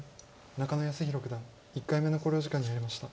中野泰宏九段１回目の考慮時間に入りました。